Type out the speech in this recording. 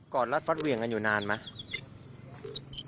อดรัดฟัดเหวี่ยงกันอยู่นานไหม